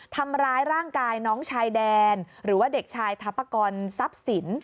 ทำร้ายร่างกายน้องชายแดนหรือว่าเด็กชายทัพกรทรัพย์สิน